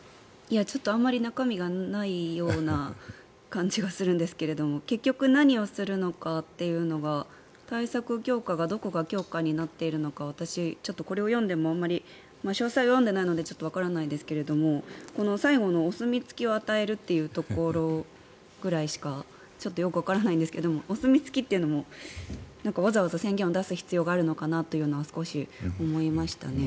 ちょっとあまり中身がないような感じがするんですが結局、何をするのかというのが対策強化がどこが強化になっているのか私ちょっとこれを読んでもあまり詳細を読んでないのでちょっとわからないですけど最後のお墨付きを与えるというところぐらいしかちょっとよくわからないんですがでもお墨付きというのもわざわざ宣言を出す必要があるのかなと少し思いましたね。